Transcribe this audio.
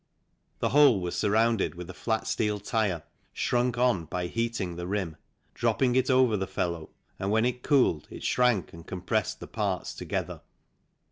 The whole was sur rounded with a flat steel tyre shrunk on by heating the rim, dropping it over the felloe, and when it cooled it shrank and compressed the parts together.